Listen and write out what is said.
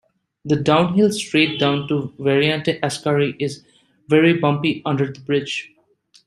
The downhill straight down to "Variante Ascari" is very bumpy under the bridge.